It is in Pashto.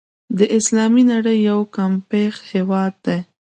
د اسلامي نړۍ یو کمپېښ هېواد دی.